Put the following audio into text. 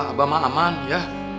abah aman aman ya